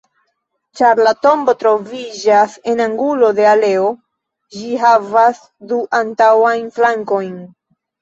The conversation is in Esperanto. Ĉar la tombo troviĝas en angulo de aleo, ĝi havas du antaŭajn flankojn.